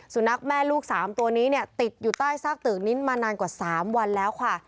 สูรนักแม่ลูก๓ตัวนี้ติดอยู่ใต้ซากตึกนิ่นนานกว่า๓วันแล้วค่ะ